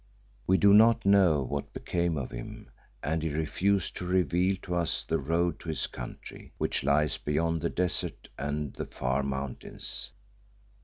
We do not know what became of him, and he refused to reveal to us the road to his country, which lies beyond the desert and the Far Mountains.